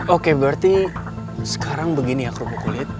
oke berarti sekarang begini ya kerupuk kulit